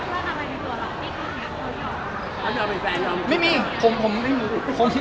แล้วทำไมเป็นตัวเหล่าที่คุยกับเขาเยอะ